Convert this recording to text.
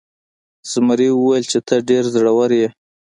زمري وویل چې ته ډیر زړور یې.